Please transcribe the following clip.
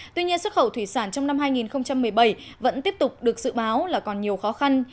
tuy nhiên xuất khẩu thủy sản trong năm hai nghìn một mươi bảy vẫn tiếp tục được dự báo là còn nhiều khó khăn